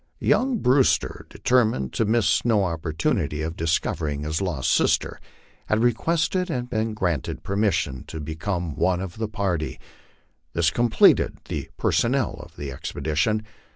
Young Brewster, determined to miss no opportunity of discov ering his lost sister, had requested and been granted permission to become one of the party. This completed the personnel of the expedition.